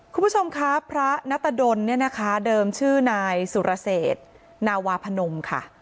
คุณผู้ชมครับพระนัตดลเนี่ยนะคะเดิมชื่อนายสุรเศษนาวาพนมค่ะ